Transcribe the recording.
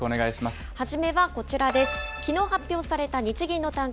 初めはこちらです。